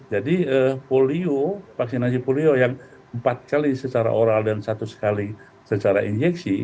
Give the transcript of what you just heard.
jadi polio vaksinasi polio yang empat kali secara oral dan satu kali secara injeksi